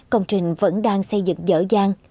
công trình vẫn đang xây dựng dở dàng